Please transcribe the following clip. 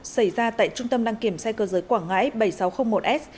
xảy ra tại trung tâm đăng kiểm xe cơ giới quảng ngãi bảy nghìn sáu trăm linh một s